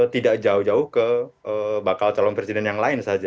tidak jauh jauh ke bakal calon presiden yang lain saja